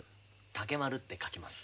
竹丸って書きます。